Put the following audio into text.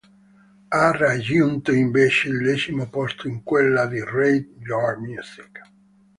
Ha raggiunto invece il decimo posto in quella di Rate Your Music.